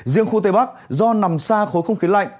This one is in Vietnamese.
riêng khu tây bắc do nằm xa khối không khí lạnh